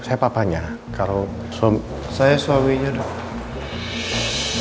saya papanya kalau suami saya papanya kalau suami